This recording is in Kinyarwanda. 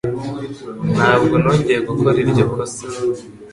Ntabwo nongeye gukora iryo kosa